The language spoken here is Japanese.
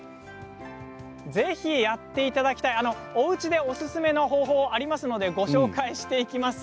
ぜひやっていただきたいおうちでおすすめの方法ありますのでご紹介していきます。